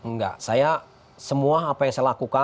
enggak saya semua apa yang saya lakukan